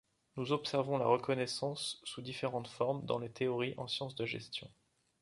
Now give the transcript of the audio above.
Nous observons la reconnaissance sous différentes formes dans les théories en sciences de gestion.